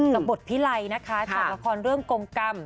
กับบทพิไรนะคะถอดละครเรื่องกงกรรม